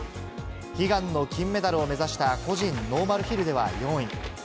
悲願の金メダルを目指した個人ノーマルヒルでは４位。